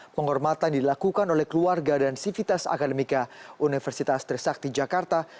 penghormatan dilakukan oleh keluarga dan sivitas akademika universitas trisakti jakarta